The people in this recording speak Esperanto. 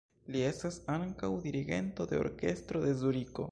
Li estas ankaŭ dirigento de orkestro de Zuriko.